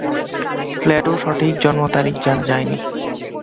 প্লেটোর সঠিক জন্ম তারিখ জানা যায়নি।